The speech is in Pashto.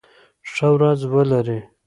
ښه ورځ ولری